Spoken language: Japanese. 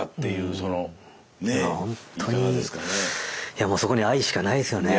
いやもうそこには愛しかないですよね。